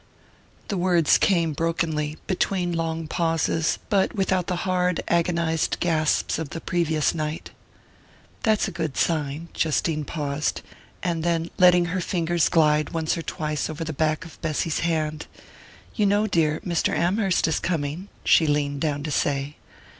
The words came brokenly, between long pauses, but without the hard agonized gasps of the previous night. "That's a good sign." Justine paused, and then, letting her fingers glide once or twice over the back of Bessy's hand "You know, dear, Mr. Amherst is coming," she leaned down to say.